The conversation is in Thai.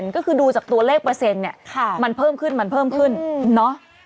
ก็คือดูจากตัวเลขเปอร์เซ็นต์เนี่ยมันเพิ่มขึ้นเนาะ